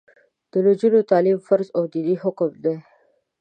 د نجونو تعلیم فرض او دیني حکم دی.